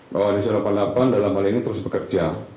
bahwa densus delapan puluh delapan dalam hal ini terus bekerja